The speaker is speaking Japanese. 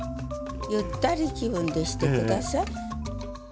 ゆったり気分でしてください。